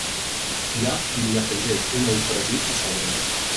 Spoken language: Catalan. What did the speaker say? Hi ha qui li afegeix un ou fregit a sobre.